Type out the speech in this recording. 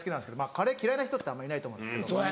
カレー嫌いな人ってあんまいないと思うんですけど。